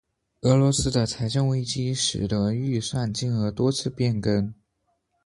俄罗斯的财政危机使得预算金额多次变更。